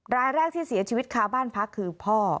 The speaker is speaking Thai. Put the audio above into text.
รายแรกที่เสียชีวิตคาบ้านพักคือพ่อ